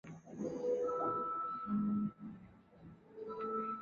密沙镇为缅甸曼德勒省皎克西县的镇区。